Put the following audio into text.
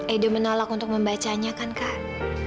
edo menolak untuk membacanya kan kak